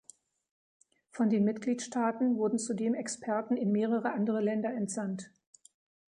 Von den Mitgliedstaaten wurden zudem Experten in mehrere andere Länder entsandt.